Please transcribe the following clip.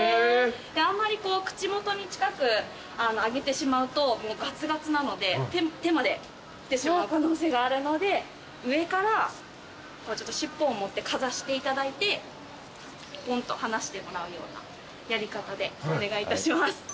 あんまり口元に近くあげてしまうともうガツガツなので手まで来てしまう可能性があるので上から尻尾を持ってかざしていただいてポンと離してもらうようなやり方でお願いいたします。